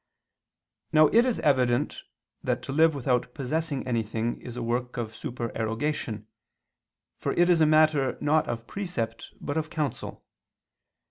Now it is evident that to live without possessing anything is a work of supererogation, for it is a matter not of precept but of counsel.